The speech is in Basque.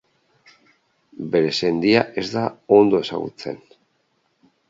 Bere sendia ez da ondo ezagutzen.